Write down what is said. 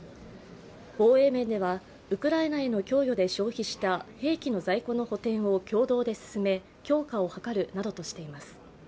防衛面ではウクライナへの供与で消費した兵器の在庫の補填を進め、強化を図るなどとしています。